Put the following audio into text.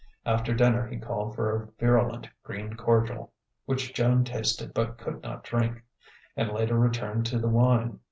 After dinner he called for a virulent green cordial (which Joan tasted but could not drink) and later returned to the wine.